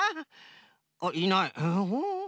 あっいない。